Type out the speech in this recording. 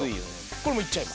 これもいっちゃいます。